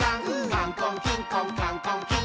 「カンコンキンコンカンコンキン！」